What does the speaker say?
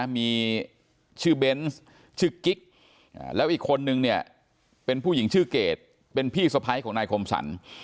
มีชื่อเบนส์ชื่อกิ๊กแล้วอีกคนนึงเนี่ยเป็นผู้หญิงชื่อเกดเป็นพี่สะพ้ายของนายคมสรร